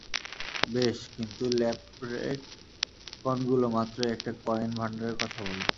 বেশ, কিন্তু ল্যাপ্রেকনগুলো মাত্রই একটা কয়েন ভান্ডারের কথা বলল।